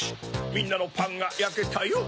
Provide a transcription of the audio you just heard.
みんなのパンがやけたよ。